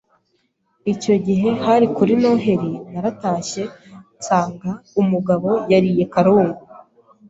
icyo gihe hari kuri noheri naratashye nsanga umugabo yariye karungu